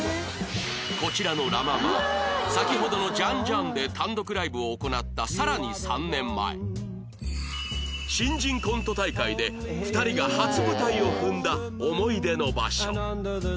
こちらの Ｌａ．ｍａｍａ 先ほどのジァン・ジァンで単独ライブを行ったさらに３年前新人コント大会で２人が初舞台を踏んだ思い出の場所